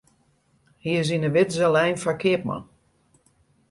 Hy is yn 'e widze lein foar keapman.